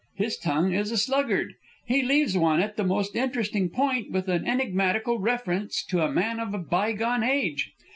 "His tongue is a sluggard. He leaves one at the most interesting point with an enigmatical reference to a man of a bygone age.